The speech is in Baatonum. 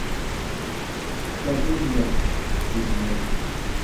Sabin na, ù na.